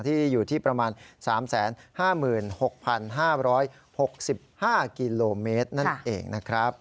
อยู่ที่ประมาณ๓๕๖๕๖๕กิโลเมตรนั่นเองนะครับ